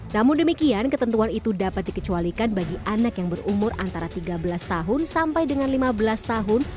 namun demikian ketentuan itu dapat dikecualikan bagi anak yang berumur antara tiga belas tahun sampai dengan lima belas tahun